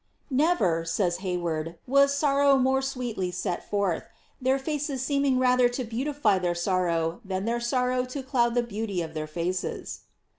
^ Never," says Ilay ward, ^ was sorrow more sweetly set forth, their faces seeming rather to beautify tlieir sorrow than their sor row to cioad the beauty of their faces.''